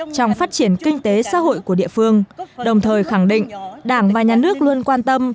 trong phát triển kinh tế xã hội của địa phương đồng thời khẳng định đảng và nhà nước luôn quan tâm